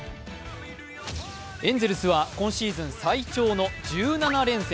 エンゼルスは今シーズン最長の１７連戦。